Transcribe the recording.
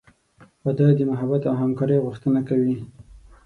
• واده د محبت او همکارۍ غوښتنه کوي.